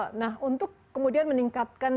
nah untuk kemudian meningkatkan